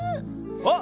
あっ！